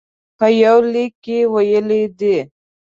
په یوه لیک کې ویلي دي.